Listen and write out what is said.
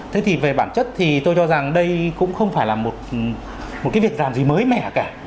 thế thì về bản chất thì tôi cho rằng đây cũng không phải là một cái việc làm gì mới mẻ cả